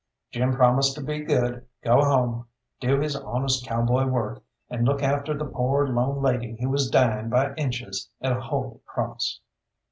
Jim promised to be good, go home, do his honest cowboy work, and look after the poor lone lady who was dying by inches at Holy Cross.